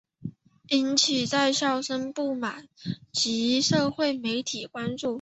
引起在校学生的不满及社会媒体关注。